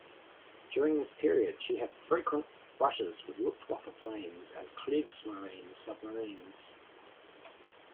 During this period, she had frequent brushes with "Luftwaffe" planes and "Kriegsmarine" submarines.